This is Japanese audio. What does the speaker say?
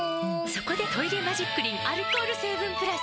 そこで「トイレマジックリン」アルコール成分プラス！